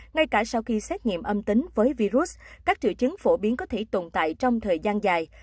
ngay cả sau khi xét nghiệm âm tính với virus các triệu chứng phổ biến có thể tồn tại trong thời gian dài